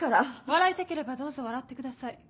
「笑いたければどうぞ笑ってください。